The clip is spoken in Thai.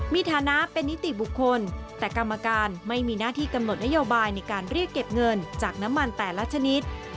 มีฐานะเป็นนิติบุคคลแต่กรรมการไม่มีหน้าที่กำหนดนโยบายในการเรียกเก็บเงินจากน้ำมันแต่ละชนิด